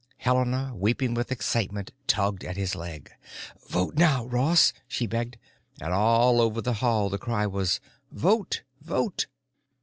Helena, weeping with excitement, tugged at his leg. "Vote now, Ross," she begged, and all over the hall the cry was "Vote! Vote!"